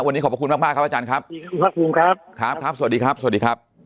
วันนี้ขอบคุณมากครับอาจารย์ครับขอบคุณครับครับครับสวัสดีครับสวัสดีครับ